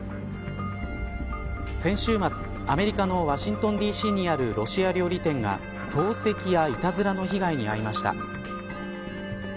先週末、アメリカのワシントンＤ．Ｃ．にあるロシア料理店が投石やいたずらの被害に遭いました。